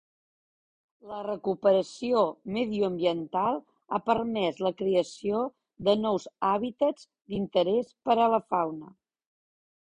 La recuperació mediambiental ha permès la creació de nous hàbitats d'interès per a la fauna.